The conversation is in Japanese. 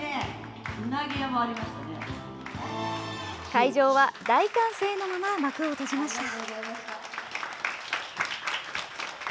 会場は大歓声のまま幕を閉じました。